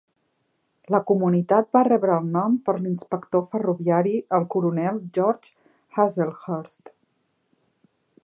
La comunitat va rebre el nom per l'inspector ferroviari el coronel George Hazlehurst.